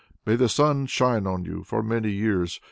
May the sun shine on you for many years!